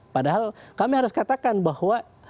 padahal kami harus katakan bahwa